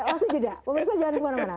oke langsung jeda